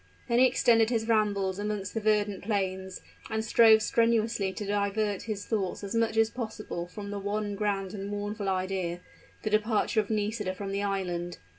Then he extended his rambles amongst the verdant plains, and strove strenuously to divert his thoughts as much as possible from the one grand and mournful idea the departure of Nisida from the island!